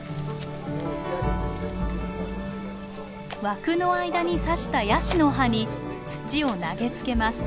枠の間に刺したヤシの葉に土を投げつけます。